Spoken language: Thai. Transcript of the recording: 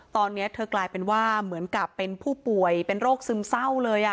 ตอนนี้เธอกลายเป็นว่าเหมือนกับเป็นผู้ป่วยเป็นโรคซึมเศร้าเลย